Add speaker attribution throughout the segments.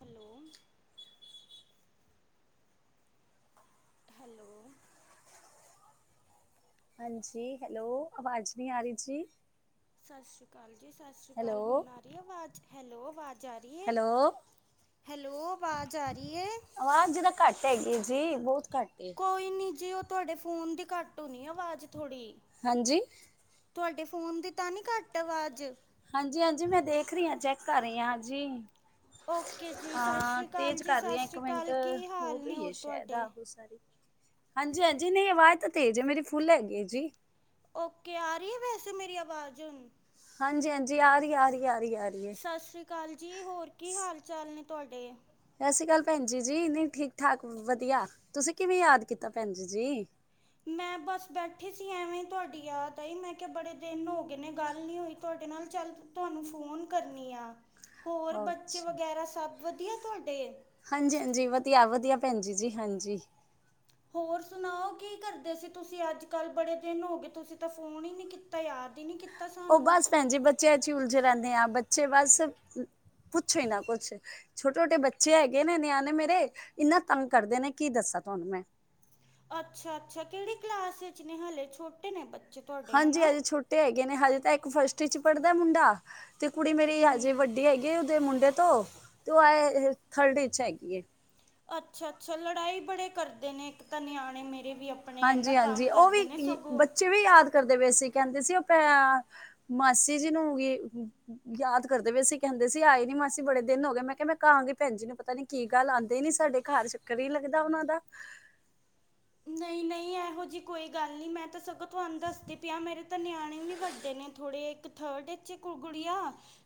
Speaker 1: Hello! Hello!
Speaker 2: ਹਾਂਜੀ। Hello, ਅਵਾਜ ਨੀ ਆ ਰੀ ਜੀ?
Speaker 1: ਸਸ਼ ਸ਼੍ਰੀ ਕਾਲ ਜੀ, ਸਸ਼ ਸ਼੍ਰੀ
Speaker 2: ਹੈਲੋ
Speaker 1: ਕਾਲ। ਹੁਨ ਆ ਰੀ ਅਵਾਜ, ਹੈਲੋ ਵਾਜ ਆ ਰੀ ਐ,
Speaker 2: ਹੈਲੋ
Speaker 1: ਹੈਲੋ ਅਵਾਜ ਆ ਰੀ ਏ?
Speaker 2: ਅਵਾਜ ਈ ਤਾ ਘਟ ਹੈਗੀ ਐ ਜੀ, ਬੋਤ ਘਟ ਏ।
Speaker 1: ਕੋਈ ਨੀ ਜੀ ਓ ਤੁਹਾਡੇ ਫੋਨ ਦੀ ਘਟ ਹੋਨੀ ਏ ਅਵਾਜ ਥੋੜੀ।
Speaker 2: ਹਾਂਜੀ!
Speaker 1: ਤੁਆਡੇ ਫ਼ੋਨ ਦੀ ਤਾਂ ਨੀ ਘਟ ਅਵਾਜ?
Speaker 2: ਹਾਂਜੀ-ਹਾਂਜੀ ਮੈਂ ਦੇਖ ਰੀ ਆਂ ਚੈੱਕ ਕਰ ਰੀ ਆਂ, ਹਾਂਜੀ।
Speaker 1: ਓਕੇ ਜੀ ਸਤਿ
Speaker 2: ਹਾਂ
Speaker 1: ਸ਼੍ਰੀ ਅਕਾਲ
Speaker 2: ਤੇਜ
Speaker 1: ਜੀ
Speaker 2: ਕਰ ਰੀ
Speaker 1: ਸਤਿ
Speaker 2: ਆਂ ਇੱਕ
Speaker 1: ਸ਼੍ਰੀ
Speaker 2: ਮਿੰਟ,
Speaker 1: ਅਕਾਲ ਕੀ ਹਾਲ
Speaker 2: ਹੋ
Speaker 1: ਨੇ
Speaker 2: ਗਈ ਏ
Speaker 1: ਹੋਰ
Speaker 2: ਸੈ਼ਦ
Speaker 1: ਤੁਹਾਡੇ
Speaker 2: ਆਹੋ ਸਾਰੀ। ਹਾਂਜੀ-ਹਾਂਜੀ ਨਹੀ ਅਵਾਜ ਤੇ ਤੇਜ ਏ, ਮੇਰੀ ਫੁੱਲ ਹੈਗੀ ਏ ਜੀ।
Speaker 1: ਓਕੇ, ਆ ਰੀ ਏ ਵੈਸੇ ਮੇਰੀ ਅਵਾਜ਼ ਹੁਨ?
Speaker 2: ਹਾਂਜੀ-ਹਾਂਜੀ, ਆਰੀ ਆ, ਆਰੀ, ਆਰੀ, ਆਰੀ।
Speaker 1: ਸਸ਼੍ਰੀ ਕਾਲ ਜੀ, ਹੋਰ ਕੀ ਹਾਲ-ਚਾਲ ਨੇ ਤੁਹਾਡੇ?
Speaker 2: ਸਸ਼੍ਰੀ ਕਾਲ ਭੈਨਜੀ ਜੀ, ਨੀ ਠੀਕ-ਠਾਕ ਵਦੀਆ, ਤੂਸੀ ਕਿਵੇਂ ਯਾਦ ਕੀਤਾ ਭੈਨਜੀ ਜੀ?
Speaker 1: ਮੈਂ ਬਾਸ ਬੈਠੀ ਸੀ ਐਵੇਂ ਈ ਤੂਆਡੀ ਯਾਦ ਆਈ, ਮੈਂ ਕਿਆ ਬੜੇ ਦਿਨ ਹੋ ਗਏ ਨੇ ਗੱਲ ਨੀ ਹੋਈ। ਤੂਆਡੇ ਨਾਲ, ਚਲ ਤੂਆਨੂੰ ਫੋਨ ਕਰਨੀ ਆਂ। ਹੋਰ ਬੱਚੇ
Speaker 2: ਅੱਛਾ
Speaker 1: ਵਗੈਰਾ ਸਬ ਵਦੀਆ ਤੂਆਡੇ?
Speaker 2: ਹਾਂਜੀ-ਹਾਂਜੀ, ਵਦੀਆ-ਵਦੀਆ ਭੈਨਜੀ ਜੀ, ਹਾਂਜੀ।
Speaker 1: ਹੋਰ ਸੁਨਾਓ ਕੀ ਕਰਦੇ ਸੀ ਤੂਸੀ ਅੱਜ-ਕਲ, ਬੜੇ ਦਿਨ ਹੋਗੇ ਤੂਸੀ ਤਾਂ ਫੋਨ ਈ ਨੀ ਕੀ ਤਾਂ, ਯਾਦ ਈ ਨੀ ਕੀਤਾ ਸਾ
Speaker 2: ਓ ਬੱਸ ਭੈਣ ਜੀ, ਬੱਚਿਆ'ਚ ਈ ਉਲਝੇ ਰੈਂਨੇ ਆ, ਬੱਚੇ ਬਸ ਪੁੱਛੋ ਈ ਨਾ ਕੁੱਛ। ਛੋਟੇ-ਛੋਟੇ ਬੱਚੇ ਹੈਗੇ ਨੇ, ਨਿਆਨੇ ਮੇਰੇ, ਇੰਨਾ ਤੰਗ ਕਰਦੇ ਨੇ, ਕੀ ਦੱਸਾਂ ਤੂਆਨੂੰ ਮੈਂ।
Speaker 1: ਅੱਛਾ-ਅੱਛਾ ਕਿਹੜੀ ਕਲਾਸ ਇਚ ਨੇ ਹਲੇ, ਛੋਟੇ ਨੇ ਬੱਚੇ? ਤੁਹਾਡੇ ਹੈ
Speaker 2: ਹਾਂਜੀ,
Speaker 1: ਨਾ
Speaker 2: ਹਜੇ ਛੋਟੇ ਹੈਗੇ ਨੇ, ਹਲੇ ਤਾਂ ਇੱਕ ਫਸਟ ਇਚ ਪੜਦਾ ਮੁੰਡਾ ਤੇ ਕੁੜੀ ਮੇਰੀ ਹਜੇ
Speaker 1: ਹੂੰ
Speaker 2: ਵੱਡੀ ਹੈਗੀ ਐ ਉਦੇ ਮੁੰਡੇ ਤੋਂ, ਤੇ ਓ ਆਏ ਅ ਥਰਡ ਇਚ ਹੈਗੀ ਐ।
Speaker 1: ਅੱਛਾ-ਅੱਛਾ ਲੜਾਈ ਬੜੇ ਕਰਦੇ ਨੇ ਇਕ ਤਾਂ ਨਿਆਣੇ ਮੇਰੇ ਵੀ ਅਪ
Speaker 2: ਹਾਂਜੀ-ਹਾਂਜੀ ਓ ਵੀ, ਬੱਚੇ ਵੀ ਯਾਦ ਕਰਦੇ ਪੇਸੀ ਕੈਂਦੇ ਸੀ ਓ ਪੈਂ ਮਾਸੀ ਜੀ ਨੂੰ ਗੀ ਯਾਦ ਕਰਦੇ ਪੈਸੀ, ਕੈਂਦੇ ਸੀ ਆਏ ਨੀ ਮਾਸੀ ਬੜੇ ਦਿਨ ਹੋਗੇ, ਮੈਂ ਕੇਆ ਮੈਂ ਕਹਾਂਗੀ ਭੈਨ ਜੀ ਨੂੰ ਪਤਾ ਨੀ ਕੀ ਗੱਲ ਆਂਦੇ ਈ ਨੀ ਸਾਡੇ ਘਰ, ਚੱਕਰ ਈ ਨੀ ਲਗਦਾ ਓਨਾ ਦਾ?
Speaker 1: ਨਈਂ-ਨਈਂ, ਐਹੋ ਜੀ ਕੋਈ ਗੱਲ ਨੀ, ਮੈਂ ਤਾਂ ਸਗੋਂ ਤੂਆਨ ਦੱਸਦੀ ਪਿਆਂ ਮੇਰੇ ਤਾਂ ਨਿਆਣੇ ਵੀ ਵੱਡੇ ਨੇ ਥੋੜੇ। ਇੱਕ ਥਰਡ ਏਚ ਏਕ ਗੁੜੀਆ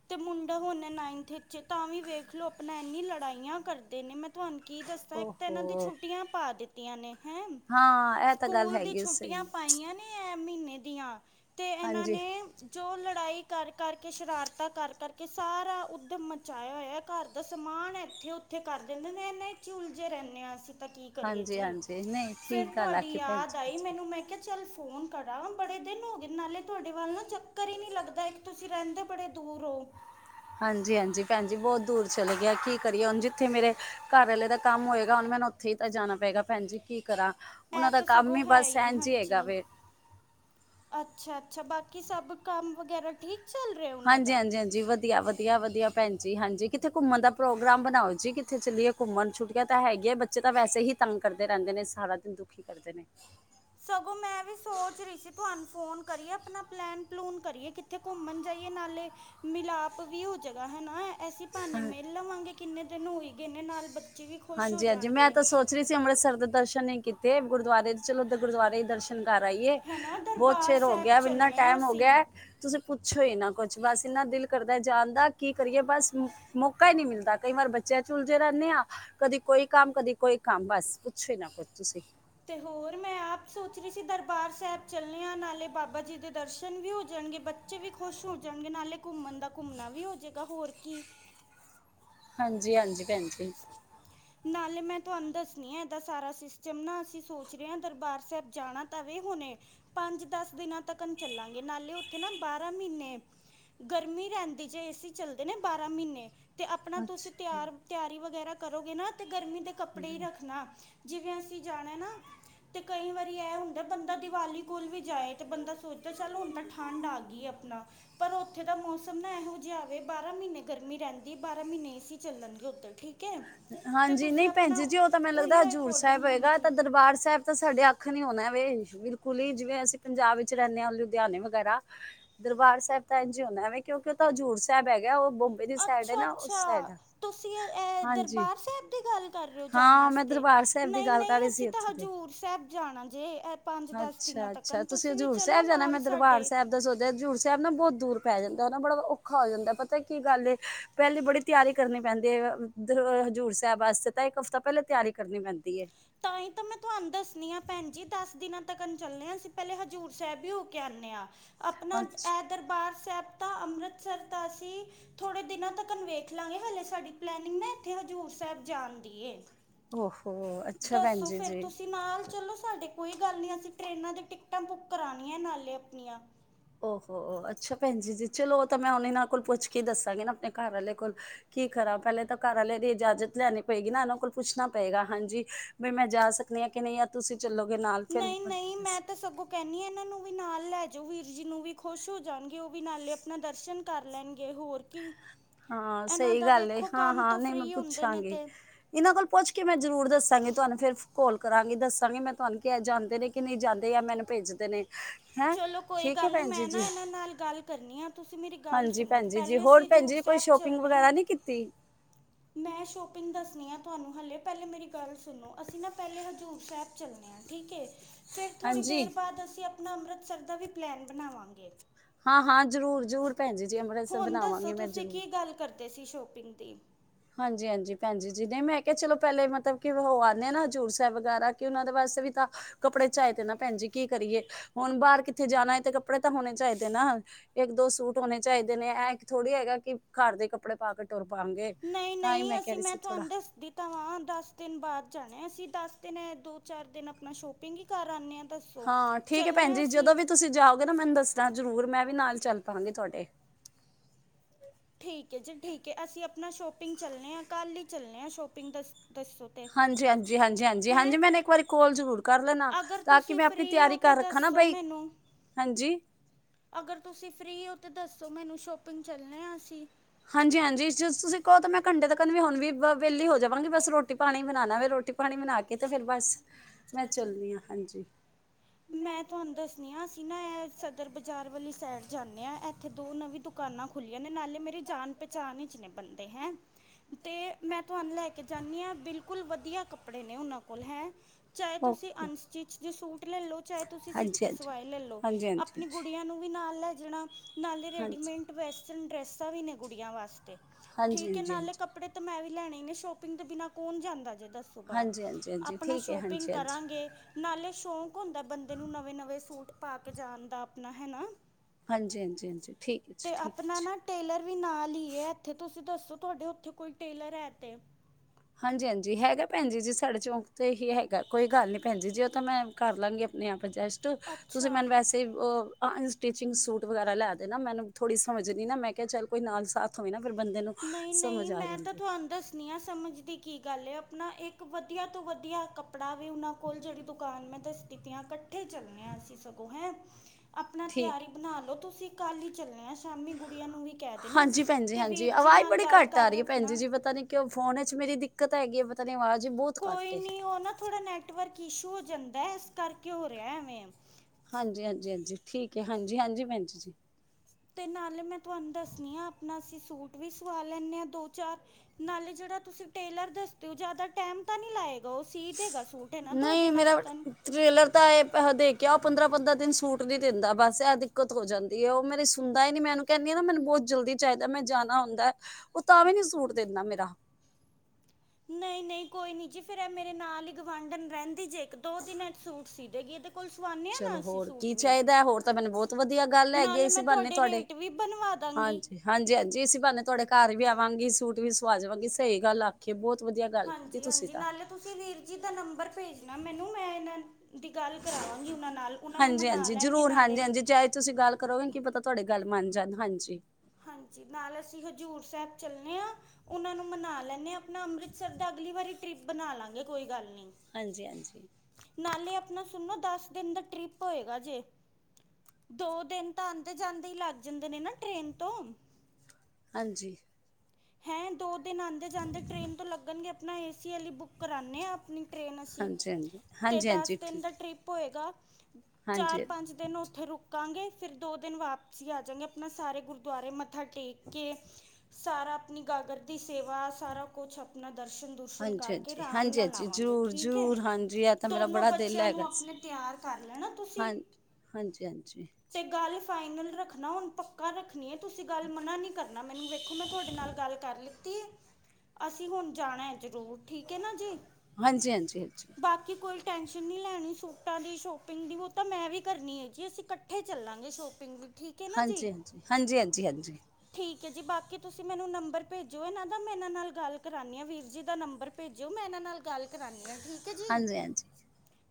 Speaker 1: ਤੇ ਮੁੰਡੇ ਹੋਨੈ ਨਾਈੰਨਥ ਇਚ, ਤਾਂ ਵੀ ਵੇਖਲੋ ਅਪਨਾ ਐਨੀ ਲੜਾਈਆਂ ਕਰਦੇ ਨੇ, ਮੈਂ ਤੂਆਨ ਕੀ ਦੱਸਾਂ, ਇੱਕ ਤੇ ਏਨਾਂ ਦੀ
Speaker 2: ਓਹੋ
Speaker 1: ਛੁੱਟੀਆਂ ਪਾ ਦਿੱਤੀਆਂ ਨੇ। ਹੈਂ,
Speaker 2: ਹਾਂ ਇਹ ਤਾਂ ਗੱਲ
Speaker 1: ਸੂਕੂਲ ਦੀ
Speaker 2: ਹੈਗੀ
Speaker 1: ਛੁੱਟੀਆਂ
Speaker 2: ਸਹੀ
Speaker 1: ਪਾਈਂਐਨ ਐ ਮ੍ਹੀਨੇ ਦੀਆਂ, ਤੇ ਇਹਨਾਂ
Speaker 2: ਹਾਂਜੀ
Speaker 1: ਨੇ ਜੋ ਲੜਾਈ ਕਰ-ਕਰਕੇ, ਸ਼ਰਾਰਤਾਂ ਕਰ-ਕਰਕੇ ਸਾਰਾ ਉੱਦਮ ਮਚਾਏਆ ਹੋਏਆ, ਘਰ ਦਾ ਸਮਾਨ ਐ ਏਥੇ, ਓਥੇ ਕਰ ਦੇਂਦੇ ਨੇ, ਐਨਾਂ'ਚ ਈ ਉਲਝੇ ਰੈਨੇ ਆਂ ਅਸੀ।
Speaker 2: ਹਾਂਜੀ-ਹਾਂਜੀ, ਨਹੀਂ। ਠੀਕ
Speaker 1: ਫੇਰ
Speaker 2: ਗੱਲ
Speaker 1: ਤੂਆਡੀ
Speaker 2: ਆਖੀ ਭੈਣ
Speaker 1: ਯਾਦ ਆਈ
Speaker 2: ਜੀ
Speaker 1: ਮੈਨੂੰ, ਮੈਂ ਕੇਆ ਚੱਲ ਫੋਨ ਕਰਾਂ ਬੜੇ ਦਿਨ ਹੋਗੇਨ ਨਾਲੇ ਤੂਆਡੇ ਵੱਲ ਨਾ ਚੱਕਰ ਈ ਨੀ ਲਗਦਾ ਇਕ ਤੂਸੀ ਰੈਂਦੇ ਬੜੇ ਦੂਰ ਓ।
Speaker 2: ਹਾਂਜੀ-ਹਾਂਜੀ ਭੈਨ ਜੀ, ਬੋਤ ਦੂਰ ਚਲੇ ਗੇਆ ਕੀ ਕਰੀਏ ਹੁਨ, ਜਿੱਥੇ ਮੇਰੇ ਘਰ ਆਲੇ ਦਾ ਕੰਮ ਹੋਏਗਾ, ਹੁਨ ਮੈਨ ਓ ਉਥੇ ਈ ਤਾਂ ਜਾਨਾ ਪਏਗਾ ਭੈਨ ਜੀ ਕੀ ਕਰਾਂ?
Speaker 1: ਇਹ
Speaker 2: ਉਨਾਂ ਦਾ
Speaker 1: ਤਾਂ
Speaker 2: ਕੰਮ
Speaker 1: ਸਗੋਂ
Speaker 2: ਈ
Speaker 1: ਹੈ
Speaker 2: ਬਸ
Speaker 1: ਹੀ
Speaker 2: ਐਂਜ ਈ ਹੈਗਾ ਵੇ।
Speaker 1: ਅੱਛਾ-ਅੱਛਾ, ਬਾਕੀ ਸਭ ਕੰਮ ਵਗੈਰਾ ਠੀਕ? ਚਲ ਰਹੇ ਓ
Speaker 2: ਹਾਂਜੀ-ਹਾਂਜੀ-ਹਾਂਜੀ, ਵਧੀਆ-ਵਧੀ ਧੀਆ ਵਧੀਆ ਭੈਣਜੀ, ਹਾਂਜੀ, ਕਿੱਥੇ ਘੁੰਮਣ ਦਾ ਪ੍ਰੋਗਰਾਮ ਬਣਾਓ ਜੀ ਕਿੱਥੇ ਚਲੀਏ ਘੁੰਮਣ, ਛੁੱਟੀਆਂ ਤਾਂ ਹੈਗੀਆਂ ਬਚ ਚੇ ਤਾਂ ਵੈਸੇ ਹੀ ਤੰਗ ਕਰਦੇ ਰਹਿੰਦੇ ਨੇਂ, ਸਾਰਾ ਦਿਨ ਦੁਖੀ ਕਰਦੇ ਨੇ।
Speaker 1: ਸਗੋਂ ਮੈਂ ਵੀ ਸੋਚ ਹੀ ਰਹੀ ਸੀ ਤੁਵਾਨੂੰ ਫੋਨ ਕਰੀਏ, ਅਪਨਾ ਪਲੈਨ-ਪਲੂਨ ਕਰੀਏ ਕਿ ਥੇ ਘੁੰਮਣ ਜਾਈਏ ਨਾਲੇ, ਮਿਲਾਪ ਵੀ ਹੋਜੇਗਾ ਹੈਨਾ ਐ ਐਸੀਂ ਭਾੰਨੇ
Speaker 2: ਹਾਂ-
Speaker 1: ਮਿਲ ਲਵਾਂਗੇ, ਕਿੰਨੇ ਦਿਨ ਹੋ ਈ ਗਏ ਨੇ, ਨਾਲ ਬੱਚੇ ਵੀ ਖੁਸ਼ ਹੋ ਜਾਣਗੇ।
Speaker 2: ਚ ਰਹੀ ਸੀ ਅੰਮ੍ਰਿਤਸਰ ਦੇ ਦਰਸ਼ਨ ਨਹੀਂ ਕੀਤੇ, ਗੁਰਦੁਆਰੇ ਚਲੋ, ਤੇ ਗੁਰਦੁਆਰੇ ਈ ਦਰਸ਼ ਸ਼ਨ ਕਰ ਆਈਏ,
Speaker 1: ਹੈ ਨਾ
Speaker 2: ਬਹੁਤ
Speaker 1: ਦਰਬਾਰ
Speaker 2: ਚਿਰ
Speaker 1: ਸਾਹਿਬ
Speaker 2: ਹੋਗਿਆ, ਅਬ ਇੰਨਾ
Speaker 1: ਚੱਲਨੇ ਆ
Speaker 2: ਟਾਈਮ ਹੋਗਿਆ
Speaker 1: ਅਸੀਂ
Speaker 2: ਐ। ਤੁਸੀ ਪੁੱਛੋ ਹੀ ਨਾ ਕੁਛ, ਬਸ ਇੰਨਾ ਦਿਲ ਕਰਦਾ ਐ ਜਾਨ ਦਾ, ਕੀ ਕਰੀਏ ਬਸ? ਮੌਕਾ ਈ ਨਹੀਂ ਮਿਲਦਾ, ਕਈ ਵਾਰ ਬੱਚਿਆਂ'ਚ ਉਲਝੇ ਰਹਿੰਨੇਂ ਆਂ ਕਦੀ ਕੋਈ ਕੰਮ, ਕਦੀ ਕੋਈ ਕੰਮ, ਬਸ ਪੁੱਛੋ ਹੀ ਨਾ ਕੁਛ ਤੁਸੀ
Speaker 1: ਤੇ ਹੋਰ! ਮੈਂ ਆਪ ਸੋਚ ਰਹੀ ਸੀ। ਦਰਬਾਰ ਸਾਹਿਬ ਚੱਲਨੇ ਆਂ, ਨਾਲੇ, ਬਾਬਾ ਜੀ ਦੇ ਦਰਸ਼ਨ ਵੀ ਹੋ ਜਾਣਗੇ ਬਚ ਬੱਚੇ ਵੀ ਖੁਸ਼ ਹੋ ਜਾਣਗੇ, ਨਾਲੇ ਘੁੰਮਣ ਦਾ ਘੁੰਮਣਾ ਵੀ ਹੋ ਜਾਏਗਾ ਹੋਰ ਕੀ
Speaker 2: ਹਾਂਜੀ-ਹਾਂਜੀ ਭੈਣ ਜੀ।
Speaker 1: [inaudible] [inaudible] ਨਾਲੇ ਮੈਂ ਤੁਹਾਨੂੰ ਦੱਸਨੀਂ ਹਾ, ਇਹਦਾ ਸਾਰਾ ਸਿਸਟਮ ਨਾ, ਅਸੀ ਸੋਚ ਰਹੇ ਹਾਂ, ਦਰਬਾਰ ਸਾਹਿਬ ਜਾਣਾ ਤਾਂ ਵੇ ਹੁਣੇ ਪੰਜ- ਦਸ ਦਿਨਾਂ ਤੱਕ ਨਾ ਚੱਲਾਂਗੇ। ਨਾਲੇ ਉੱਥੇ ਨਾ ਬਾਰਾਂ ਮਹੀਂਨੇ ਗਰਮੀ ਰਹਿੰਦੀ ਜੇ, ਏ ਸੀ ਚੱਲਦੇ ਨੇ ਬਾਰਾਂ ਮਹੀਨੇ ਤੇ ਆਪਣਾ ਤੁਸੀਂ
Speaker 2: ਅੱਛਾ
Speaker 1: ਤਿਆਰ- ਤਿਆਰੀ ਵਗੈਰਾ ਕਰੋਗੇ ਨਾ, ਤੇ ਗਰਮੀ ਦੇ ਕੱਪੜੇ ਹੀ ਰੱਖਣਾ ਜਿਵੇਂ, ਅਸੀਂ ਜਾਣਾ ਏ ਨਾ ਤੇ ਕਈ ਵਾਰੀ ਇਹ ਹੁੰਦਾ ਏ, ਬੰਦਾ ਦਿਵਾਲੀ ਕੋਲ ਵੀ ਜਾਏ ਤੇ, ਬੰਦਾ ਸੋਚਦਾ ਏ ਚੱਲ ਹੁਨ ਤਾ ਠ ਠੰਡ, ਆ ਗਈ ਆਪਨਾ ਪਰ ਉੱਥੇ ਦਾ ਮੌਸਮ ਨਾ ਇਹੋ ਜਿਹਾ ਵੇ, ਬਾਰਾਂ ਮਹੀਨੇ ਗਰਮੀ ਰਹਿੰਦੀ, ਬਾਰਾਂ ਮਹੀਨੇ ਏ ਸੀ ਚੱਲਣਗੇ ਉੱਧਰ। ਠੀ ਕ ਹੈ ਤੇ
Speaker 2: ਹਾਂਜੀ,
Speaker 1: ਤੁਸੀਂ
Speaker 2: ਨਹੀਂ ਭੈਣ
Speaker 1: ਆਪਣਾ
Speaker 2: ਜੀ, ਜੀ ਉਹ ਤਾਂ ਮੈਨੂੰ
Speaker 1: ਉਹੀ
Speaker 2: ਲੱਗਦਾ ਹਜ਼ੂਰ ਸਾਹਿਬ
Speaker 1: ਅਕੋਰਡਿੰਗ
Speaker 2: ਹੋਏਗਾ, ਤਾਂ
Speaker 1: ਹਾਂਜੀ
Speaker 2: ਦਰਬਾਰ ਸਾਹਿਬ ਤਾ ਸਾਡੇ ਅੱਖਣ ਹੀ ਹੋਨਾ ਵੇ, ਬਿਲਕੁਲ ਹੀ ਜਿਵੇਂ, ਅਸੀਂ ਪੰਜਾਬ ਵਿੱਚ ਰਹਿਣੇ ਹਾਂ, ਲੁਧਿਆਣੇ ਵਗੈਰਾ ਦਰਬਾਰ ਸਾਹਿਬ, ਤਾਂ ਇੰਜ ਹੀ ਹੁੰਦਾ ਵੇ ਕਿਉਂਕ, ਉਹ ਤਾ ਹਜ਼ੂਰ ਸਾਹਿਬ ਹੈਗਾ ਏ, ਉਹ ਬੋਬੇ ਦੀ ਸਾਈਡ, ਹੈ ਨਾ ਉਸ ਸਾਈਡ ਹੈ
Speaker 1: ਤੁਸੀ ਇਹ- ਇਹ ਦਰਬਾਰ ਸਾਹਿਬ ਦੀ ਗੱਲ ਕਰ ਰਹੇ ਹੋ, ਜਾਣ
Speaker 2: ਹਾਂ ਮੈਂ
Speaker 1: ਵਾਸਤੇ
Speaker 2: ਦਰਬਾਰ ਸਾਹਿਬ ਦੀ ਗੱਲ ਕਰ
Speaker 1: ਨਹੀਂ-ਨਹੀਂ
Speaker 2: ਰਹੀ
Speaker 1: ਅਸੀ
Speaker 2: ਸੀ
Speaker 1: ਤਾ
Speaker 2: ਉੱਥੇ ਤੇ
Speaker 1: ਹਜ਼ੂਰ ਸਾਹਿਬ, ਜਾਣਾ ਜੇ ਇਹ ਪੰਜ-ਦਸ ਦਿਨਾਂ
Speaker 2: ਅੱਛਾ-ਅੱਛਾ
Speaker 1: ਤੱਕਣ, ਤੁਸੀਂ ਵੀ ਚਲੋ ਨਾਲ ਸਾਡੇ
Speaker 2: ਦਸ ਓਹ ਤੇ ਹਜੂਰ ਸਾਹਿਬ ਨਾ ਬਹੁਤ, ਦੂਰ ਪੈ ਜਾਂਦਾ ਨਾ, ਬੜਾ ਔਖਾ ਹੋ ਜਾਂਦਾ ਪਤਾ ਕੀ ਗੱਲ ਏ? ਪਹਿਲੇ ਬੜੀ ਤਿਆਰੀ ਕਰਨੀ ਪੈਂਦੀ ਹੈ ਐ, ਦਾ ਹਜ਼ੂਰ ਸਾਹਿਬ ਵਾਸਤੇ, ਤਾਂ ਇੱਕ ਹਫ਼ਤਾ ਪਹਿਲੇ ਤਿਆਰੀ ਕਰਨੀ ਪੈਂਦੀ ਐ
Speaker 1: ਤਾਂ ਹੀ ਤਾਂ ਮੈਂ, ਤੁਹਾਨੂੰ ਦੱਸਨੀ ਆਂ ਭੈਣ ਜੀ, ਦਸ ਦਿਨਾਂ ਤੱਕ ਨ ਚੱਲਨੇਂ ਹਾਂ, ਅਸੀਂ ਪਹਿਲੇ ਹਜ਼ੂਰ ਸਾਹਿਬ ਵੀ ਹੋ ਕੇ, ਆਉਨੇਂ ਹਾਂ ਆਪਣਾ
Speaker 2: ਅੱਛਾ
Speaker 1: ਇਹ ਦਰਬਾਰ ਸਾਹਿਬ ਤਾਂ, ਅੰਮ੍ਰਿਤਸਰ ਤਾਂ ਸੀ। ਥੋੜੇ ਦਿਨਾਂ ਤੱਕ ਨ ਵੇਖ ਲਾਂਗੇ, ਹਾਲੇ ਸਾਡੀ ਪਲੈਨਿੰਗ ਨਾ ਇੱਥੇ, ਹਜ਼ੂਰ ਸਾਹਿਬ ਜਾਨ ਦੀ ਐ
Speaker 2: [unintelligible]
Speaker 1: ਦੱਸੋ!
Speaker 2: ਜੀ
Speaker 1: ਫੇਰ
Speaker 2: ਜੀ।
Speaker 1: ਤੁਸੀ ਨਾਲ ਚੱਲੋ ਸਾਡੇ ਕੋਈ ਗੱਲ ਨਹੀਂ, ਅਸੀਂ ਟਰੇਨਾਂ ਤੇ ਟਿਕਟਾਂ ਬੁੱਕ, ਕਰਾਨੀਆਂ ਨਾਲੇ ਆਪਨੀਆਂ
Speaker 2: ਓਔ, ਅੱਛਾ ਭੈਣ ਜੀ! ਜੀ ਚਲੋ ਓਹ ਤਾਂ ਮੈਂ ਹੁਨ ਇਨਾਂ ਕੋਲ ਪੁੱਛ ਕੇ ਹੀ ਦੱਸਾਂਗੀ ਨਾਂ, ਆਪਣੇ ਘਰ ਵਾਲੇ ਕੋਲ ਕੀ ਕਰਾਂ? ਪਹਿਲੇ ਤਾ ਘਰ ਆਲੇ ਦੀ ਇਜਾਜਤ ਲੈਣੀ ਪਏਗੀ ਨਾ, ਇਹਨਾਂ ਕੋਲੋ ਪੁੱਛਣਾ ਪਏਗਾ ਹਾਂਜੀ ਬਈ ਮੈਂ ਜਾ ਸਕਨੀਂ ਆ ਕਿ, ਨਹੀਂ? ਯਾ ਤੁਸੀ ਚੱਲੋਗੇ ਨਾਲ ਫਿਰ
Speaker 1: ਕਹਿੰਨੀਂ ਆਂ ਇਹਨਾਂ ਨੂੰ, ਵੀ ਨਾਲ ਲੈ ਜਾਓ, ਵੀਰ ਜੀ ਨੂੰ ਵੀ ਖੁਸ਼ ਹੋ ਜਾਣਗੇ ਉਹ ਵੀ।, ਨਾਲੇ ਆਪਨਾ ਦਰਸ਼ਨ ਕਰ ਲੈਨਗੇ ਹੋਰ ਕੀ
Speaker 2: ਹਾਂ!
Speaker 1: ਇਹਨਾਂ
Speaker 2: ਸਹੀ
Speaker 1: ਦਾ
Speaker 2: ਗੱਲ ਏ,
Speaker 1: ਵੇਖੋ
Speaker 2: ਹਾਂ!
Speaker 1: ਕੰਮ
Speaker 2: ਹਾਂ!
Speaker 1: ਤੋਂ
Speaker 2: ਨਹੀਂ, ਮੈਂ
Speaker 1: ਫ੍ਰੀ ਹੁੰਦੇ ਨੇ
Speaker 2: ਪੁੱਛਾਂਗੀ
Speaker 1: ਤੇ
Speaker 2: ਇਹਨਾਂ ਕੋਲੋ ਪੁੱਛ ਕੇ, ਮੈਂ ਜੁਰੂਰ ਦੱਸਾਂਗੀ ਤੁਹਾਨੂੰ ਫਿਰ ਫ ਕੋਲ ਕਰਾਂਗੀ, ਦੱਸਾਂਗੀ ਮੈਂ ਤੁਹਾਨੂੰ, ਕੀ ਇਹ ਜਾਂਦੇ ਨੇਂ ਕੀ ਕਿ ਨਹੀਂ ਜਾਂਦੇ, ਜਾ ਮੈਨੂੰ ਭੇਜਦੇ ਨੇ ਹੈਂ
Speaker 1: ਚਲੋ ਕੋਈ
Speaker 2: ਠੀਕ ਹੈ
Speaker 1: ਗੱਲ ਨੀ,
Speaker 2: ਭੈਣ ਜੀ
Speaker 1: ਮੈਂ ਨਾ
Speaker 2: ਜੀ
Speaker 1: ਇਹਨਾਂ ਨਾਲ ਗੱਲ ਕਰਨੀ ਆ, ਤੁਸੀਂ ਮੇਰੀ ਗੱਲ
Speaker 2: ਹਾਂਜੀ
Speaker 1: ਸੁਣੋ,
Speaker 2: ਭੈਣ ਜੀ ਜੀ
Speaker 1: ਪਹਿਲੇ
Speaker 2: ਹੋਰ
Speaker 1: ਅਸੀ
Speaker 2: ਭੈਣ
Speaker 1: ਹਜ਼ੂਰ
Speaker 2: ਜੀ ਕੋਈ
Speaker 1: ਸਾਹਿਬ,
Speaker 2: ਸ਼ੋਪਿੰਗ
Speaker 1: ਚੱਲਣੇ ਆਂ
Speaker 2: ਵਗੈਰਾ ਨਹੀਂ ਕੀਤੀ,
Speaker 1: ਮੈਂ ਸ਼ੋਪਿੰਗ ਦੱਸਨੀ ਆ ਤਾਨੂੰ ਹਾਲੇੇ, ਪਹਿਲੇ ਮੇਰੀ ਗੱਲ ਸੁਣੋ, ਅਸੀਂ ਨਾ ਪਹਿਲੇ ਹਜ਼ੂਰ ਸੈਬ ਚੱਲਨੇ ਆ ਠੀਕ ਏ, ਫੇਰ ਦੇਰ ਥੋੜੀ ਦੇਰ
Speaker 2: ਹਾਂਜੀ
Speaker 1: ਬਾਅਦ ਅਸੀਂ ਅਪਨਾ, ਅੰਮ੍ਰਿਤਸਰ ਦਾ ਵੀ ਪਲੈਨ ਬਨਾਵਾਂਗੇ।
Speaker 2: ਹਾਂ-ਹਾਂ ਜ਼ਰੂਰ-ਜ਼ਰੂਰ ਭੈਣ ਜੀ- ਜੀ ਅੰਮ੍ਰਿਤਸਰ ਬਨਾਵਾਂਗੇ ਮੈਂ ਜ਼ਰੂਰ
Speaker 1: ਤੇ ਅਸੀਂ ਸ਼ੋਪਿੰਗ ਦੀ
Speaker 2: ਹਾਂਜੀ- ਹਾਂਜੀ ਭੈਜੀ ਜੀ-ਜੀ ਨਈ ਮੈਂ ਕਿਆ ਚਲੋ ਪਹਿਲੇ ਮਤਲਬ ਕਿ, ਹੋ ਆਨੇ ਆ ਨਾ ਹਜ਼ੂਰ ਸਾਹਿਬ ਵਗੈਰਾ ਕਿ, ਓਨਾਂ ਦੇ ਵਸਤੇ ਵੀ ਤਾਂ ਕੱਪੜੇ ਚਾਈਦੇ ਨਾ ਭੈਜੀ ਕੀ ਕਰੀਏ, ਹੁਣ ਬਾਰ ਕਿੱਥੇ ਜਾਣੈ ਤੇ ਕੱਪੜੇ ਤਾਂ ਹੋਣੇ ਚਾਈਦੇ ਨਾ। ਇੱਕ ਦੋ ਸੂਟ ਹੋਨੇ ਚਾਈਦੇ ਨੇ, ਐ ਕਿ ਥੋੜੀ ਹੈਗਾ ਕਿ ਘਰ ਦੇ ਕੱਪੜੇ ਪਾ ਕੇ ਟੁਰ ਪਾਂਗੇ। ਤਾਂ ਹੀ
Speaker 1: ਨਈ-ਨਈ
Speaker 2: ਕਹਿ
Speaker 1: ਅਸੀਂ
Speaker 2: ਰਹੀ
Speaker 1: ਮੈਂ
Speaker 2: ਸੀ ਥੋੜਾ
Speaker 1: ਤੁਆਨੂ ਦੱਸਦੀ ਤਾਂ, ਦਸ ਦਿਨ ਬਾਦ ਜਾਨੈ ਅਸੀਂ, ਦਸ ਦਿਨ ਐ ਦੋ ਚਾਰ ਦਿਨ ਅਪਨਾ ਸ਼ੋਪ ਸ਼ੋਪਿੰਗ ਈ ਕਰ ਆਨੇ ਆ ਦੱਸੌ,
Speaker 2: ਹਾਂ ਠੀਕ ਹੈ
Speaker 1: ਚੱਲਨੇ
Speaker 2: ਭੈਣ
Speaker 1: ਆ
Speaker 2: ਜੀ
Speaker 1: ਅਸੀਂ
Speaker 2: ਜਦੋਂ ਵੀ ਤੁਸੀਂ ਜਾਓਗੇ ਨਾ ਮੈਨ ਦੱਸਨਾ ਜ਼ਰੂਰ, ਮੈਂ ਵੀ ਨਾਲ ਚੱਲ ਪਾਂਗੀ ਤੁਆਡੇ
Speaker 1: ਠੀਕ ਏ ਜੀ, ਠੀਕ ਏ, ਅਸੀਂ ਅਪਨਾ ਸ਼ੋਪਿੰਗ ਚੱਲਨੇ ਆ ਕੱਲ ਈ ਚੱਲਨੇ ਆ ਸ਼ੋਪਿੰਗ ਦਸ-ਦਸੋ
Speaker 2: ਹਾਂਜੀ-ਹਾਂਜੀ-ਹਾਂਜੀ-ਹਾਂਜੀ, ਹਾਂਜੀ ਮੈਨ ਇੱਕ ਵਾਰੀ ਕੋਲ ਜ਼ਰੂਰ ਕਰ ਲੈਨਾ
Speaker 1: ਅਗਰ
Speaker 2: ਤਾਂ ਕਿ
Speaker 1: ਤੁਸੀਂ
Speaker 2: ਮੈਂ ਅਪਨੀ
Speaker 1: ਫ੍ਰੀ ਹੋ
Speaker 2: ਤਿਆਰੀ
Speaker 1: ਤਾਂ
Speaker 2: ਕਰ ਰੱਖਾਂ ਨਾ
Speaker 1: ਦੱਸੋ
Speaker 2: ਬਈ,
Speaker 1: ਮੈਨੂੰ
Speaker 2: ਹਾਂਜੀ
Speaker 1: ਅਗਰ ਤੁਸੀਂ ਫ੍ਰਰੀ ਔ ਤੇ ਦੱਸੋ ਮੈਨੂੰ, ਸ਼ੋਪਿੰਗ ਚੱਲਨੇ ਆਂ ਅਸੀ
Speaker 2: ਹਾਂਜੀ-ਹਾਂਜੀ, ਜੇ ਤੁਸੀਂ ਕਓ ਤਾਂ ਮੈਂ ਘੰਟੇ ਤੱਕਣ ਵੀ, ਹੁਣ ਵੀ ਵੇਹਲੀ ਹੋ ਜਾਵਾਂਗੀ, ਬਸ ਰੋਟੀ-ਪਾਨੀ ਬਨਾਨਾ ਵੇ ਰੋਟੀ ਪਾਨੀ ਬਨਾ ਕੇ ਤੇ ਫਿਰ ਬਸ, ਮੈਂ ਚੱਲਦੀ ਆਂ, ਹਾਂਜੀ
Speaker 1: ਮੈਂ ਤੁਹਾਨੂੰ ਨੀਆਂ ਸੀਂ ਨਾ, ਐ ਸਦਰ ਬਜ਼ਾਰ ਵਾਲੀ ਸਾਈਡ ਜਾਂਨੇ ਆਂ, ਐਥੇ ਦੋ ਨਵੀਂ ਦੁਕਾਨਾਂ ਖੁੱਲ੍ਹੀਆਂ ਨ ਨਾਲੇ ਮੇਰੀ ਜਾਨ ਪੇਚਾਨ ਇਚ ਨੇ ਬੰਦੇ ਹੈ, ਤੇ ਮੈਂ ਤੁਆਨੁ ਲੈ ਕੇ ਜਾਨੀ ਆ, ਬਿਲਕੁਲ ਵਦੀਆ ਕੱਪੜੇ ਨੇ ਉਨਾਂ ਕੋਲ ਹੈ, ਚਾਏ ਤੁਸੀਂ
Speaker 2: ਓਕੇ
Speaker 1: ਅਨਸਟਿਚ ਸੂਟ ਲੈ ਲੋ, ਚਾਏ ਤੁਸੀਂ ਸੀਤੇ
Speaker 2: ਹਾਂਜੀ-ਹਾਂਜੀ,
Speaker 1: ਸਵਾਏ ਲੈ ਲੋ।
Speaker 2: ਹਾਂਜੀ-ਹਾਂਜੀ,
Speaker 1: ਅਪਨੀ ਗੁੜੀਆਂ ਨੂੰ ਵੀ ਨਾਲ ਲੈ ਜਾਣਾ ਨਾਲੇ
Speaker 2: ਹਾਂਜੀ,
Speaker 1: ਰੈਡੀਮੇਂਟ ਵੈਸਟਰਨ ਡਰੈਸਾਂ ਵੀ ਨੇ ਗੁੜੀਆਂ ਵਾਸਤੇ, ਠੀਕ ਏ
Speaker 2: ਹਾਂਜੀ-ਹਾਂਜੀ,
Speaker 1: ਨਾਲੇ
Speaker 2: ਹਾਂਜੀ।
Speaker 1: ਕੱਪੜੇ ਤੇ ਮੈਂ ਵੀ ਲੈਣੇ ਈ ਨੇ, ਸ਼ੋਪਿੰਗ ਤੇ ਬਿਨਾਂ ਕੌਨ ਜਾਂਦਾ ਜੇ ਦੱਸ ਤੇ ਬਾਰ।
Speaker 2: ਹਾਂਜੀ-ਹਾਂਜੀ, ਹਾਂਜੀ
Speaker 1: ਅਪਨਾ
Speaker 2: ਠੀਕ ਹੈ
Speaker 1: ਸ਼ੋਪਿੰਗ
Speaker 2: ਹਾਂਜੀ-ਹਾਂਜੀ,
Speaker 1: ਕਰਾਂਗੇ ਨਾਲੇ ਸ਼ੌਕ ਹੁੰਦਾ ਬੰਦੇ ਨੂੰ ਨਵੇਂ-ਨਵੇਂ ਸੂਟ ਪਾ ਕੇ ਜਾਨ ਦਾ ਅਪਨਾ ਹੈਨਾ
Speaker 2: ਹਾਂਜੀ- ਹਾਂਜੀ -ਹਾਂਜੀ, ਠੀਕ ਏ ਜੀ ਠੀਕ ਏ
Speaker 1: ਆਪਣਾ
Speaker 2: ਜੀ
Speaker 1: ਨਾ ਟੇਲਰ ਵੀ ਨਾਲ ਈ ਏ ਐਥੇ, ਤੁਸੀਂ ਦੱਸੋ ਤੁਆਡੇ ਓਥੇ ਕੋਈ ਟੇਲਰ ਐ ਤੇ
Speaker 2: ਹਾਂਜੀ- ਹਾਂਜੀ, ਹੈਗਾ ਪੈੰਜੀ ਜੀ ਸਾਡੇ ਚੌਂਕ ਤੇ ਹੀ ਹੈਗਾ, ਕੋਈ ਗੱਲ ਨੀ ਪੈੰਜੀ ਜੀ ਓ ਤਾਂ ਮੈਂ ਕਰ ਲਾਂਗੀ ਅਪਨੇ ਆਪ ਐਡਜਸਟ ਤੁਸੀਂ ਮੈਨੁ
Speaker 1: ਅੱਛਾ
Speaker 2: ਵੈਸੇ ਤੇ ਓ ਅਨਸਟੀਚਿੰਗ ਸੂਟ ਵਗੈਰਾ ਲੈ ਦੇਨਾ ਮੈਨੁ ਥੋੜੀ ਸਮਝ ਨੀ ਨਾ, ਮੈਂ ਕਿਆ ਚੱਲ ਕੋਈ ਨਾਲ ਸਾਥ ਓਹੀ ਨਾ ਫੇਰ ਬੰਦੇ ਨੂੰ ਸਮਝ ਆ ਜਾਂਦੀ ਏ
Speaker 1: ਅਪਨੀਆਂ ਸਮਝ ਦੀ ਕੀ ਗੱਲ ਏ, ਅਪਣਾ ਏਕ ਵਦੀਆ ਤੋਂ ਵਦੀਆ ਕੱਪੜਾ ਵੇ ਉਨਾਂ ਕੋਲ ਜੇੜੀ ਦੁਕਾਨ ਮੈਂ ਦੱਸ ਕੀਤੀਆਂ ਕੱਠੇ ਚੱਲਨੇ ਆ ਅਸੀਂ ਸਗੋਂ, ਹੈਂ ਅਪਨਾ
Speaker 2: ਠੀਕ
Speaker 1: ਤਿਆਰੀ ਬਨਾਲੋ ਤੁਸੀਂ, ਕੱਲ ਈ ਚੱਲਨੇ ਆ ਸ਼ਾਮੀ ਗੁੜੀਆਂ ਨੂੰ ਵੀ ਕਹਿ ਦੇਣਾ
Speaker 2: ਹਾਂਜੀ ਪੈੰਜੀ
Speaker 1: ਤੇ
Speaker 2: ਹਾਂਜੀ,
Speaker 1: ਵੀਰ ਜੀ
Speaker 2: ਆਵਾਜ਼
Speaker 1: ਨਾਲ
Speaker 2: ਬੜੀ
Speaker 1: ਗੱਲ
Speaker 2: ਘੱਟ ਆ
Speaker 1: ਕਰ
Speaker 2: ਰੀ ਏ ਪੈੰਜੀ
Speaker 1: ਰੱਖਣਾ
Speaker 2: ਜੀ ਪਤਾ ਨੀ ਕਿ ਓ ਫੋਨ ਇਚ ਮੇਰੀ ਦਿੱਕਤ ਹੈਗੀ ਏ, ਪਤਾ ਨੀ ਆਵਾਜ਼ ਈ ਬਹੁਤ ਘੱਟ ਏ
Speaker 1: ਓ ਨਾ ਥੋੜਾ ਨੈਟ ਨੈੱਟਵਰਕ ਇਸ਼ੂ ਹੋ ਜਾਂਦੈ, ਇਸ ਕਰਕੇ ਹੋ ਰਿਆ ਐਵੇਂ
Speaker 2: ਹਾਂਜੀ-ਹਾਂਜੀ-ਹਾਂਜੀ, ਠੀਕ ਐ, ਹਾਂਜੀ, ਹਾਂਜੀ ਪੈੰਜੀ ਜੀ
Speaker 1: ਤੇ ਨਾਲੇ ਮੈਂ ਤੁਆਨੁ ਦੱਸਨੀ ਆ ਅਪਨਾ ਅਸੀਂ ਸੂਟ ਵੀ ਸਵਾ ਲੈਨੇ ਆ ਦੋ-ਚਾਰ ਨਾਲੇ ਜੇੜਾ ਤੁਸੀਂ ਟੇਲਰ ਦੱਸਦੇ ਓ ਜਾਦਾ ਟੈਮ ਤਾਂ ਨੀ ਲਾਏ ਓ ਸੀ ਦੇਗਾ ਸੂਟ, ਹੈਨਾ ਦੋ
Speaker 2: ਨਹੀਂ
Speaker 1: ਦਿਨਾਂ
Speaker 2: ਮੇਰਾ
Speaker 1: ਤੱਕਨ
Speaker 2: ਟ੍ਰੇਲਰ ਤਾਂ ਐ ਦੇ ਕੇ ਆਓ, ਪੰਦਰਾਂ-ਪੰਦਰਾਂ ਦਿਨ ਸੂਟ ਨੀ ਦੇਂਦਾ ਬਸ ਐ ਦਿੱਕਤ ਹੋ ਜਾਂਦੀ ਏ। ਓ ਮੇਰੀ ਸੁਨਦਾ ਈ ਨੀ ਮੈਂ ਉਨੂੰ ਕੈਂਨੀ ਆ ਨਾ ਮੈਨੂੰ ਬਹੁਤ ਜਲਦੀ ਚਾਈਦੈ, ਮੈਂ ਜਾਨਾ ਹੁੰਦੈ ਓ ਤਾਂ ਵੀ ਨੀ ਸੂਟ ਦੇਂਦਾ ਮੇਰਾ
Speaker 1: ਨਈ- ਨਈ ਕੋਈ ਨੀ ਜੀ, ਫੇਰ ਐ ਮੇਰੇ ਨਾਲ ਈ ਗੁਵਾਂਢਨ ਰੈਂਦੀ ਜੇ ਇੱਕ-ਦੋ ਦਿਨਾਂ ਚ ਸੂਟ ਸੀ ਦੇਗੀ ਏਦੇ ਕੋਲ ਸਵਾਂਨੇ ਆ ਨਾ
Speaker 2: ਚਲੋ
Speaker 1: ਅਸੀਂ
Speaker 2: ਹੋਰ
Speaker 1: ਸੂਟ
Speaker 2: ਕੀ
Speaker 1: ਵੀ,
Speaker 2: ਚਾਹੀਦਾ ਹੋਰ ਤਾਂ ਮੈਨੂੰ ਬਹੁਤ ਵਧੀਆ ਗੱਲ ਹੈਗੀ ਹੈ,
Speaker 1: ਨਾਲੇ
Speaker 2: ਇਸ
Speaker 1: ਮੈਂ ਤੁਆਡੇ ਰੇਟ ਰੇਟ ਵੀ ਬਨਵਾ ਦਾਂਗੀ
Speaker 2: ਹਾਂਜੀ-ਹਾਂਜੀ ਅਸੀਂ ਬਾਹਨੇ ਤੁਹਾਡੇ ਘਰ ਵੀ ਆਵਾਂਗੀ ਸੂਟ ਵੀ ਸਵਾ ਜਾਵਾਂਗੀ ਸਹੀ ਗੱਲ ਆ ਕੇ ਬਹੁਤ ਵਦੀਆ ਗੱਲ ਕੀਤੀ
Speaker 1: ਹਾਂਜੀ
Speaker 2: ਤੁਸੀਂ
Speaker 1: ਹਾਂਜੀ
Speaker 2: ਤਾਂ
Speaker 1: ਨਾਲੇ ਤੁਸੀਂ ਵੀਰ ਜੀ ਦਾ ਨੰਬਰ ਭੇਜਣਾ ਮੈਨੂੰ ਮੈਂ ਇਨਾਂ ਦੀ ਗੱਲ ਕਰਾਵਾਂਗੀ ਉਨਾਂ ਨਾਲ ਉਨਾਂ ਨੂੰ ਮਨਾ ਲੈਣਗੇ ਨਾਲੇ
Speaker 2: ਤੇ ਚਾਹੇ ਤੁਸੀ ਗੱਲ ਕਰੋਗੇ ਕੀ ਪਤਾ ਤੁਹਾਡੇ ਗੱਲ ਮੰਨ ਜਾਣ ਹਾਂਜੀ।
Speaker 1: ਹਾਂਜੀ ਨਾਲ ਅਸੀ ਹਜ਼ੂਰ ਸਾਹਿਬ ਚੱਲਨੇ ਆਂ ਉਨਾਂ ਨੂੰ ਮਨਾ ਲੈਂਣੇ ਆਂ। ਨਾ ਅੰਮ੍ਰਿਤਸਰ ਦਾ ਅਗਲੀ ਵਾਰੀ ਟਰਿਪ ਬਣਾ ਲਾਂਗੇ ਕੋਈ ਗੱਲ ਨਈ।
Speaker 2: ਹਾਂਜੀ-ਹਾਂਜੀ
Speaker 1: ਨਾਲੇ ਆਪਣਾ ਸੁਣੋ ਦਸ ਦਿਨ ਦਾ ਟ੍ਰਿਪ ਹੋਏਗਾ ਜੇ। ਦੋ ਦਿਨ ਤਾਂ ਆਂਦੇ ਜਾਂਦੇ ਈ ਲੱਗ ਜਾਂਦੇ ਨੇ ਨਾ ਟ੍ਰੇਨ ਤੋਂ
Speaker 2: ਹਾਂਜੀ
Speaker 1: ਹੈਂ ਦੋ ਦਿਨ ਆਂਦੇ ਜਾਂਦੇ ਟ੍ਰੇਨ ਤੋਂ ਲੱਗਣਗੇ ਆਪਣਾ ਏ ਸੀ ਆਲੀ ਬੁੱਕ ਕਰਾਣੇ ਆਪਣੀ ਟ੍ਰੇਨ ਅਸੀ
Speaker 2: ਹਾਂਜੀ ਹਾਂਜੀ
Speaker 1: ਤੇ
Speaker 2: ਹਾਂਜੀ
Speaker 1: ਦਸ
Speaker 2: ਹਾਂਜੀ
Speaker 1: ਦਿਨ
Speaker 2: ਠੀਕ
Speaker 1: ਦਾ
Speaker 2: ਹੈ
Speaker 1: ਟ੍ਰਿਪ ਹੋਏਗਾ।
Speaker 2: ਹਾਂਜੀ
Speaker 1: ਚਾਰ
Speaker 2: ਹਾਂਜੀ
Speaker 1: ਪੰਜ ਦਿਨ ਉੱਥੇ ਰੁਕ ਕਾਂਗੇ ਫਿਰ ਦੋ ਦਿਨ ਵਾਪਸੀ ਆ ਜਾਂਗੇ ਆਪਣਾ ਸਾਰੇ ਗੁਰਦੁਆਰੇ ਮੱਥਾ ਟੇਕ ਕੇ। ਸਾਰਾ ਆਪਣੀ ਗਾਗਰ ਦੀ ਸੇਵਾ ਸਾਰਾ ਕੁਛ ਆਪਣਾ ਦਰਸ਼ਨ ਦੁ ਸ਼ਨ
Speaker 2: ਹਾਂਜੀ
Speaker 1: ਕਰਕੇ ਆਰਾਮ
Speaker 2: ਹਾਂਜੀ
Speaker 1: ਨਾਲ
Speaker 2: ਹਾਂਜੀ
Speaker 1: ਆਵਾਂਗੇ
Speaker 2: ਜ਼ਰੂਰ
Speaker 1: ਠੀਕ ਐ
Speaker 2: ਜ਼ਰੂਰ ਹਾਂਜੀ ਇਹ ਤਾਂ ਮੇਰਾ
Speaker 1: ਦੋਨੋ
Speaker 2: ਬੜਾ ਦਿਲ
Speaker 1: ਬੱਚਿਆਂ
Speaker 2: ਹੈਗਾ
Speaker 1: ਨੂੰ ਆਪਣੇ ਤਿਆਰ ਕਰ ਲੈਣਾ ਤੁਸੀ
Speaker 2: ਹਾਂਜੀ-ਹਾਂਜੀ
Speaker 1: ਤੇ ਗੱਲ ਫਾਈਨਲ ਰੱਖਣਾ ਹੁਣ ਪੱਕਾ ਰੱਖਣੀ ਏ ਤੁਸੀਂ ਗੱਲ ਮਨਾ ਨਈ ਕਰਨਾ ਮੈਨੂੰ ਵੇਖੋ ਮੈਂ ਤੁਹਾਡੇ ਨਾਲ ਕੀਤੀ ਅਸੀ ਹੁਣ ਜਾਣਾ ਜਰੂਰ ਠੀਕ ਏ ਨਾ ਜੀ।
Speaker 2: ਹਾਂਜੀ-ਹਾਂਜੀ-ਹਾਂਜੀ।
Speaker 1: ਬਾਕੀ ਕੋਈ ਟੈਂਸ਼ਨ ਨਈ ਲੈਣੀ ਸੂਟਾਂ ਦੀ ਸ਼ੋਪਿੰਗ ਦੀ ਓ ਤਾਂ ਮੈਂ ਵੀ ਕਰਨੀ ਹੈ ਜੀ ਅਸੀਂ ਕੱ ਕੱਠੇ ਚੱਲਾਂਗੇ ਸ਼ੋਪਿੰਗ ਵੀ ਠੀਕ ਹੈ ਨਾ ਜੀ
Speaker 2: ਹਾਂਜੀ-ਹਾਂਜੀ-ਹਾਂਜੀ-ਹਾਂਜੀ-ਹਾਂਜੀ।
Speaker 1: ਠੀਕ ਐ ਜੀ ਬਾਕੀ ਤੁਸੀ ਮੈਨੂੰ ਨੰਬ ਭੇਜੋ ਇਨਾਂ ਦਾ ਮੈਂ ਇਨਾਂ ਨਾਲ ਗੱਲ ਕਰਾਣੀ ਆਂ ਵੀਰ ਜੀ ਦਾ ਨੰਬਰ ਭੇਜਿਓ ਮੈਂ ਇਨਾਂ ਨਾਲ ਗੱਲ ਕਰਾਂਣੀ ਆਂ। ਠੀਕ ਏ ਜੀ।
Speaker 2: ਹਾਂਜੀ ਹਾਂਜੀ ਹਾਂਜੀ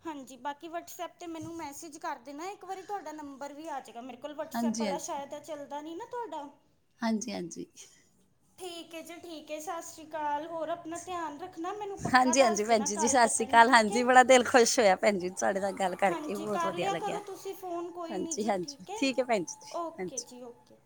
Speaker 1: ਹਾਂਜੀ ਬਾਕੀ ਵਟਸਐਪ ਤੇ ਮੈਨੂੰ ਮੈਸੇਜ ਕਰ ਦੇਣਾ ਇੱਕ ਵਾਰੀ ਤੁਹਾਡਾ ਨੰਬਰ ਵੀ ਆ ਜਾਏਗਾ ਮੇਰੇ ਕੋ ਕਲ ਵਟਸਐਪ
Speaker 2: ਹਾਂਜੀ
Speaker 1: ਵਾਲਾ ਸ਼ਾਇਦ ਚੱਲਦਾ ਨਈ ਨਾ ਤੁਡਾ
Speaker 2: ਹਾਂਜੀ-ਹਾਂਜੀ
Speaker 1: ਠੀਕ ਏ ਜੀ ਠੀਕ ਏ ਸਤਿ ਸ਼੍ਰੀ ਅਕਾਲ ਹੋਰ ਆਪਣਾ ਧਿਆਨ ਰੱਖਣਾ ਮੈਨੂੰ
Speaker 2: ਹਾਂਜੀ
Speaker 1: ਪੱਕਾ ਦੱਸ
Speaker 2: ਹਾਂਜੀ ਭੈਣ
Speaker 1: ਦੇਣਾ
Speaker 2: ਜੀ ਜੀ
Speaker 1: ਕੱਲ
Speaker 2: ਸਤਿ ਸ਼੍ਰੀ
Speaker 1: ਤੱਕਣ
Speaker 2: ਅਕਾਲ
Speaker 1: ਠੀਕ ਏ।
Speaker 2: ਹਾਂਜੀ ਬੜਾ ਦਿਲ ਖੁਸ਼ ਹੋਇਆ ਭੈਣ ਜੀ ਤੁਹਾਡੇ ਨਾਲ ਗੱਲ ਕਰਕੇ
Speaker 1: ਹਾਂਜੀ
Speaker 2: ਬਹੁਤ
Speaker 1: ਕਰ
Speaker 2: ਵਧੀਆ
Speaker 1: ਲਿਆ ਕਰੋ
Speaker 2: ਲੱਗਿਆ
Speaker 1: ਤੁਸੀਂ ਫੋਨ ਕੋਈ ਨੀ
Speaker 2: ਹਾਂਜੀ
Speaker 1: ਜੇ
Speaker 2: ਹਾਂਜੀ
Speaker 1: ਠੀਕ ਏ।
Speaker 2: ਹੈ ਭੈਣ ਜੀ ਜੀ,
Speaker 1: ਓਕੇ
Speaker 2: ਹਾਂਜੀ
Speaker 1: ਜੀ ਓਕੇ